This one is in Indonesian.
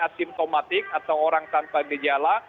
asimptomatik atau orang tanpa gejala